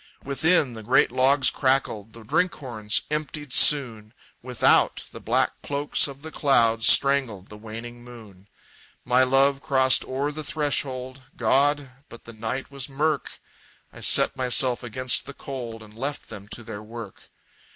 Within, the great logs crackled, The drink horns emptied soon; Without, the black cloaks of the clouds Strangled the waning moon. My love crossed o'er the threshold God! but the night was murk! I set myself against the cold, And left them to their work.